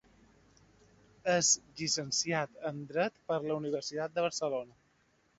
És llicenciat en Dret per la Universitat de Barcelona.